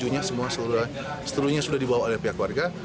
dua puluh tujuh nya setelah seluruhnya sudah dibawa oleh pihak keluarga